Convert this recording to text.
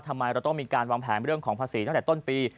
ทำไมเราต้องมีการวางแผนเรื่องของภาษีตั้งแต่ต้นปี